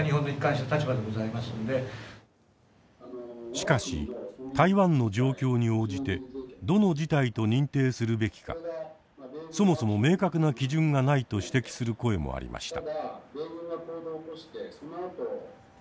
しかし台湾の状況に応じてどの事態と認定するべきかそもそも明確な基準がないと指摘する声もありました。